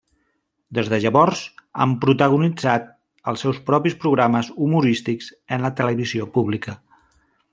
Des de llavors han protagonitzat els seus propis programes humorístics en la televisió pública.